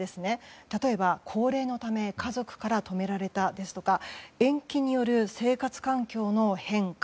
例えば、高齢のため家族から止められたですとか延期による生活環境の変化